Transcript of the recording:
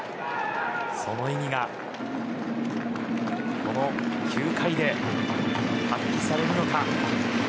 その意味がこの９回で発揮されるのか。